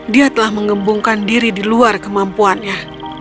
dia telah mengembungkan diri di luar kemampuannya